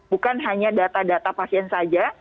bukan hanya data data pasien saja